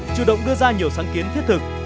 chủ động đưa ra nhiều sáng kiến thiết thực